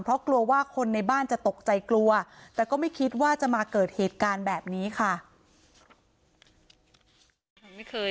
เพราะกลัวว่าคนในบ้านจะตกใจกลัวแต่ก็ไม่คิดว่าจะมาเกิดเหตุการณ์แบบนี้ค่ะ